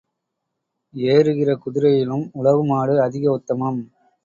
ஏறுகிற குதிரையிலும் உழவு மாடு அதிக உத்தமம்.